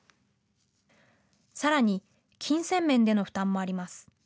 さらに金銭面での負担もあります。